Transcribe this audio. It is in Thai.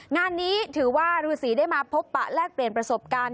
งานนี้ถือว่าฤษีได้มาพบปะแลกเปลี่ยนประสบการณ์